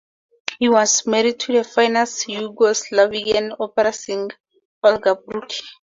He was married to the famous Yugoslavian opera singer, Olga Brucci.